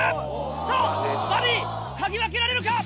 さぁバディ嗅ぎ分けられるか？